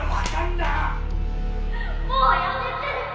現在もうやめて！